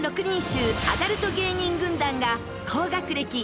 ６人衆アダルト芸人軍団が高学歴